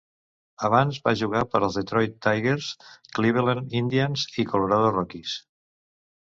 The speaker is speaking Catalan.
Abans va jugar per als Detroit Tigers, Cleveland Indians i Colorado Rockies.